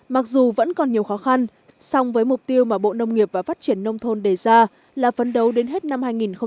mặc dù vẫn còn nhiều khó khăn song với mục tiêu mà bộ nông nghiệp và phát triển nông thôn đề ra là phấn đấu đến hết năm hai nghìn hai mươi